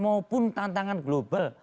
maupun tantangan global